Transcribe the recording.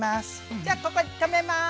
じゃここで止めます。